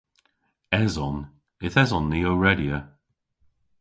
Eson. Yth eson ni ow redya.